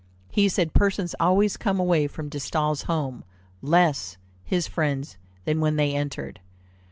He said persons always came away from De Staël's home "less his friends than when they entered."